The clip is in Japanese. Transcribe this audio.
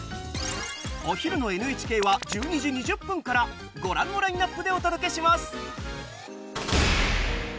お昼のＮＨＫは１２時２０分からご覧のラインナップでお届けします。